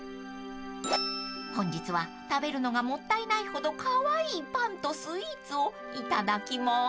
［本日は食べるのがもったいないほどカワイイパンとスイーツをいただきます］